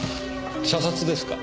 射殺ですか？